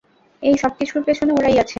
এই সবকিছুর পেছনে ওরাই আছে!